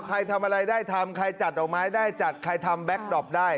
ทำอะไรได้ทำใครจัดดอกไม้ได้จัดใครทำแก๊กดอปได้